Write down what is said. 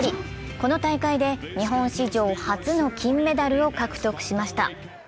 この大会で日本史上初の金メダルを獲得しました。